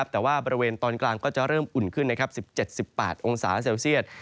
แต่ว่าบริเวณตอนกลางก็จะเริ่มอุ่นขึ้น๑๗๑๘องศาเซลเซียต